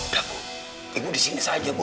dapu ibu disini saja bu